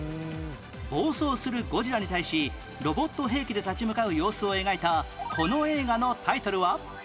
暴走するゴジラに対しロボット兵器で立ち向かう様子を描いたこの映画のタイトルは？